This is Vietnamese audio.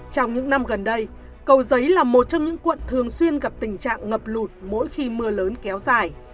trong những năm gần đây cầu giấy là một trong những quận thường xuyên gặp tình trạng ngập lụt mỗi khi mưa lớn kéo dài